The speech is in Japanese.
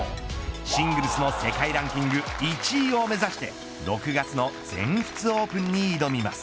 シングルスの世界ランキング１位を目指して６月の全仏オープンに挑みます。